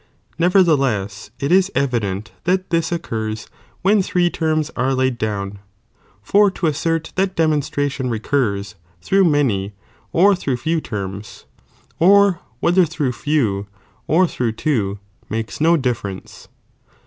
Nevertheless it is evi Ant that this occurs, when three terms are laid down, for to assert that demonstration recurs through many or through few terms, or whether through few or through two, makes no Kiun le difference.